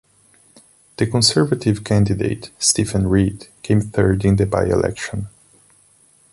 The Conservative candidate, Stephen Reid, came third in the by-election.